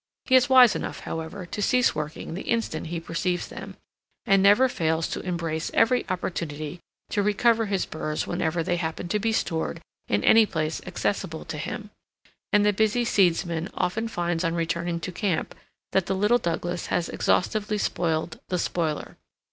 He is wise enough, however, to cease working the instant he perceives them, and never fails to embrace every opportunity to recover his burs whenever they happen to be stored in any place accessible to him, and the busy seedsman often finds on returning to camp that the little Douglas has exhaustively spoiled the spoiler.